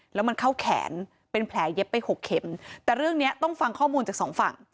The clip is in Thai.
แล้วมันเข้าแขนเป็นแผลเย็บไปหกเข็มแต่เรื่องเนี้ยต้องฟังข้อมูลจากสองฝั่ง